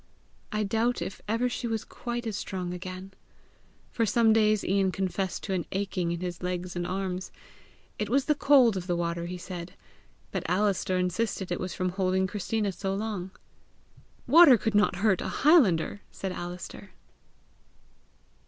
I doubt if ever she was quite as strong again. For some days Ian confessed to an aching in his legs and arms. It was the cold of the water, he said; but Alister insisted it was from holding Christina so long. "Water could not hurt a highlander!" said Alister.